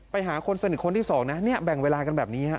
ไปหาคนสนิทคนที่สองนะเนี่ยแบ่งเวลากันแบบนี้ฮะ